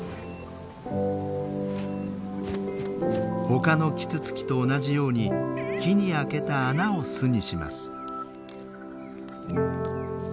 ほかのキツツキと同じように木に開けた穴を巣にします。